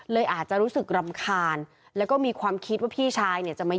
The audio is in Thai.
เลยอาจจะรู้สึกรำคาญแล้วก็มีความคิดว่าพี่ชายเนี่ยจะมา